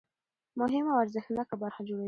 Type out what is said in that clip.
مهمه او ارزښتناکه برخه جوړوي.